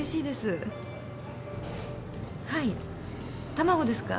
卵ですか？